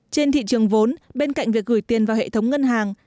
trên thị trường vốn bên cạnh việc gửi tiền vào hệ thống ngân hàng